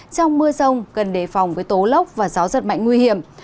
trong mưa rông cần đề phòng với tố lốc và gió giật mạnh nguy hiểm